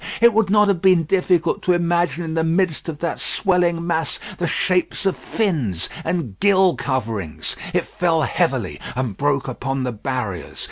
It would not have been difficult to imagine in the midst of that swelling mass the shapes of fins and gill coverings. It fell heavily and broke upon the barriers.